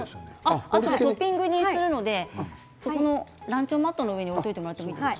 トッピングにするのでランチョンマットの上に置いてもらっていいですか。